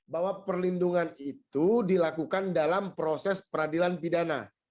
bahwa perlindungan itu dilakukan dalam proses peradilan pidana